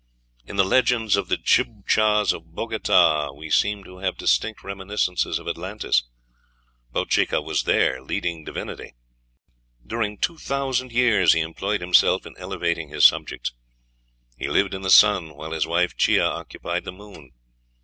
In the legends of the Chibchas of Bogota we seem to have distinct reminiscences of Atlantis. Bochica was their leading divinity. During two thousand years he employed himself in elevating his subjects. He lived in the sun, while his wife Chia occupied the moon.